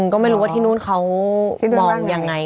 ก็ไม่รู้ว่าที่นู่นเขามองยังไง